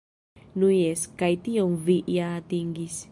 Nu jes, kaj tion vi ja atingis.